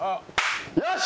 よし！